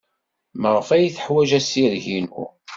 Maɣef ay teḥwaj assireg-inu?